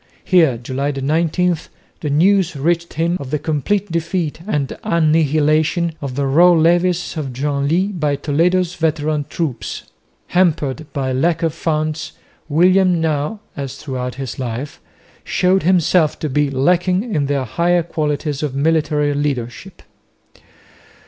Here (July 19) the news reached him of the complete defeat and annihilation of the raw levies of Genlis by Toledo's veteran troops. Hampered by lack of funds William now, as throughout his life, showed himself to be lacking in the higher qualities of military leadership.